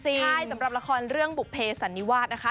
ใช่สำหรับละครเรื่องบุภเพสันนิวาสนะคะ